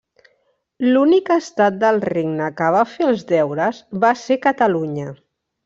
L'únic estat del Regne que va fer els deures va ser Catalunya.